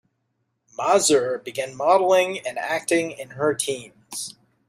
Mazur began modeling and acting in her teens.